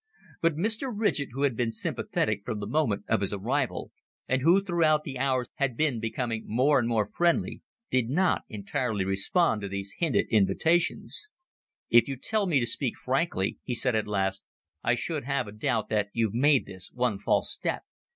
But Mr. Ridgett, who had been sympathetic from the moment of his arrival, and who throughout the hours had been becoming more and more friendly, did not entirely respond to these hinted invitations. "If you tell me to speak frankly," he said at last, "I should have a doubt that you've made this one false step.